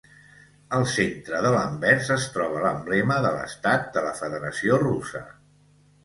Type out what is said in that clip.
Al centre de l'anvers es troba l'emblema de l'estat de la Federació Russa.